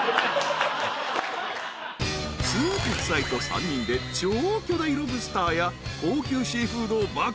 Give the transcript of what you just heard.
［つんく♂夫妻と３人で超巨大ロブスターや高級シーフードを爆食い］